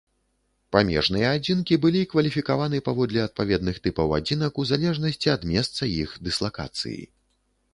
Памежныя адзінкі былі кваліфікаваны паводле адпаведных тыпаў адзінак у залежнасці ад месца іх дыслакацыі.